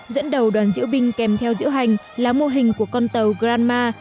dẫn đầu đoàn diễu binh kèm theo diễu hành là mô hình của con tàu granma